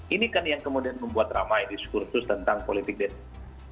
ini kan yang kemudian membuat ramai diskursus tentang politik detik